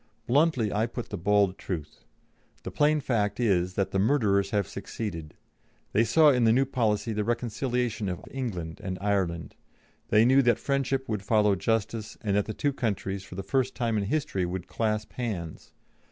'" Bluntly, I put the bald truth: "The plain fact is that the murderers have succeeded. They saw in the new policy the reconciliation of England and Ireland; they knew that friendship would follow justice, and that the two countries, for the first time in history, would clasp hands.